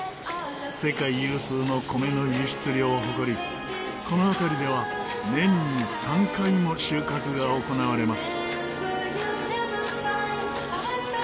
世界有数の米の輸出量を誇りこの辺りでは年に３回も収穫が行われます。